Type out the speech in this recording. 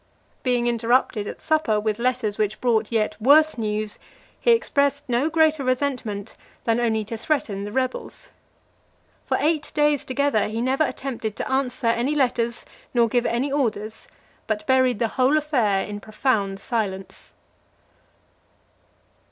Being interrupted at supper with letters which brought yet worse news, he expressed no greater resentment, than only to threaten the rebels. For eight days together, he never attempted to answer any letters, nor give any orders, but buried the whole affair in profound silence.